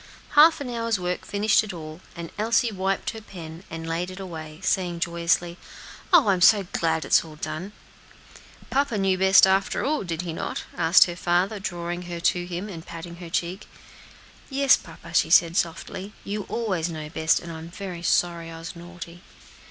Half an hour's work finished it all, and Elsie wiped her pen, and laid it away, saying joyously, "Oh! I'm so glad it is all done." "Papa knew best, after all, did he not?" asked her father, drawing her to him, and patting her cheek. "Yes, papa," she said softly; "you always know best, and I am very sorry I was naughty."